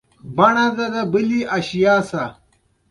آیا موږ یو پښتون نه یو؟